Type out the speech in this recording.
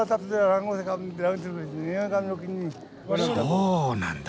そうなんだ。